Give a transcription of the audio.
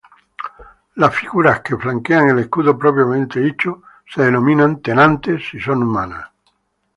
Las figuras que flanquean el escudo propiamente dicho se denominan "tenantes" si son humanas.